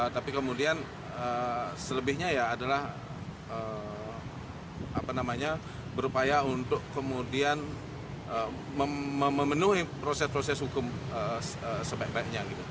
tapi kemudian selebihnya ya adalah berupaya untuk kemudian memenuhi proses proses hukum sebaik baiknya gitu